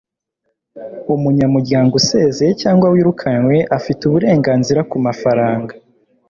umunyamuryango usezeye cyangwa wirukanywe afite uburenganzira ku mafaranga